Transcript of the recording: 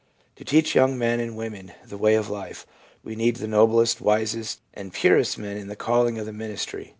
To teach young men and women the way of life, we need the noblest, wisest and purest men in the calling of the ministry.